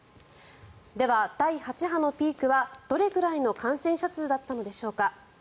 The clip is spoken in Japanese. では第８波のピークはどれぐらいの感染者数だったのでしょうか。